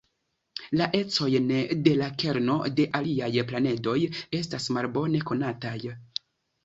La ecojn de la kerno de aliaj planedoj estas malbone konataj.